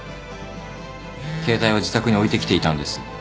携帯は自宅に置いてきていたんです。